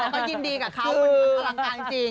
เขายินดีกับเขามันอลังการจริง